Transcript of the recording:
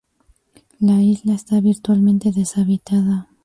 La isla está virtualmente deshabitada.